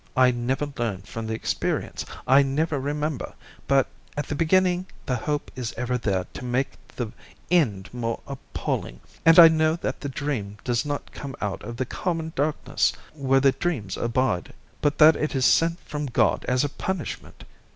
I never learn from the experience, I never remember, but at the beginning the hope is ever there to make the end more appalling; and I know that the dream does not come out of the common darkness where the dreams abide, but that it is sent from God as a punishment!